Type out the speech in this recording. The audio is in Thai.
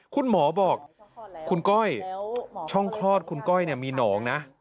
คุณหมอบอกคุณก้อยช่องคลอดคุณก้อยมีหนองนะ